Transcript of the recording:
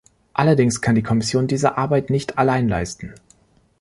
Allerdings kann die Kommission diese Arbeit nicht allein leisten.